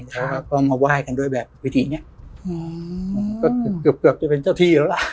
เขาก็มาไหว้กันด้วยแบบวิธีเนี้ยอืมก็เกือบเกือบจะเป็นเจ้าที่แล้วล่ะ